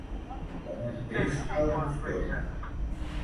Com un peix al rostoll.